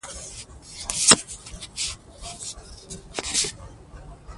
مېلې کوچنيانو ته د زدهکړي فرصتونه برابروي.